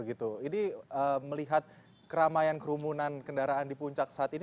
ini melihat keramaian kerumunan kendaraan di puncak saat ini